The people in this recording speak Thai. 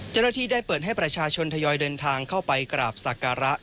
เจ้าหน้าที่ได้เปิดให้ประชาชนทยอยเดินทางเข้าไปกราบศักระ